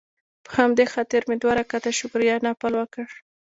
په همدې خاطر مې دوه رکعته شکريه نفل وکړ.